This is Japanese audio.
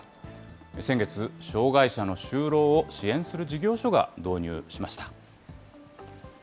先月、障害者の就労を支援する事業所が導入しました。